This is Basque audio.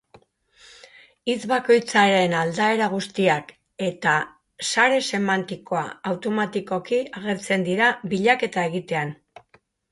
Hitz bakoitzaren aldaera guztiak eta sare semantikoa automatikoki agertzen dira bilaketa egitean.